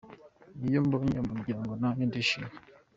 Iyo mbonye umuryango nanjye ndishima.